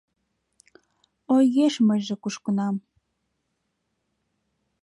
Ойгеш мыйже кушкынам.